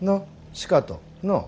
しかとのう？